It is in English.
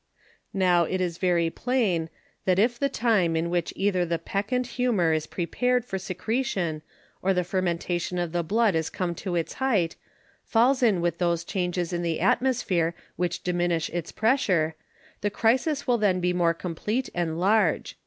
Now it is very plain, That if the time, in which either the Peccant Humour is prepar'd for Secretion, or the Fermentation of the Blood is come to its height, falls in with those Changes in the Atmosphere which diminish its pressure; the Crisis will then be more compleat and large.